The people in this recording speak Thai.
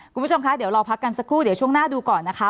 คุณผู้ชมคะเดี๋ยวเราพักกันสักครู่เดี๋ยวช่วงหน้าดูก่อนนะคะ